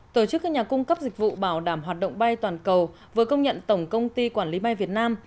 tổ chức các nhà cung cấp dịch vụ bảo đảm hoạt động bay toàn cầu vừa công nhận tổng công ty quản lý bay việt nam